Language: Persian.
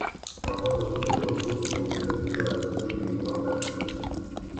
آنها با زور بازو اتومبیل خود را از جوی بیرون آوردند.